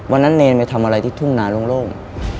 วันนั้นเนรนไปทำอะไรที่ทุ่มนาโล่ง